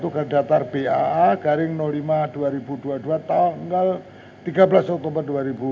satu ke datar baa garing lima dua ribu dua puluh dua tanggal tiga belas oktober dua ribu dua puluh